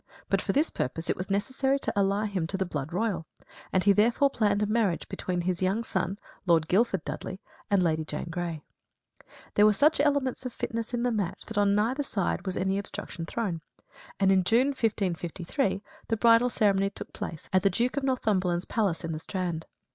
But for this purpose it was necessary to ally him to the blood royal, and he therefore planned a marriage between his young son, Lord Guilford Dudley, and Lady Jane Grey. There were such elements of fitness in the match that on neither side was any obstruction thrown; and in June 1553 the bridal ceremony took place at the Duke of Northumberland's palace in the Strand.